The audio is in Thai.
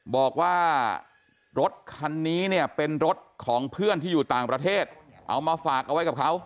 บอกว่ารถคันนี้เนี่ยเป็นรถของเพื่อนที่อยู่ต่างประเทศเอามาฝากเอาไว้กับเขา